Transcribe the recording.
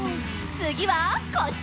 つぎはこっち！